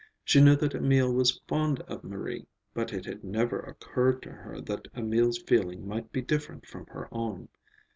She knew that Emil was fond of Marie, but it had never occurred to her that Emil's feeling might be different from her own.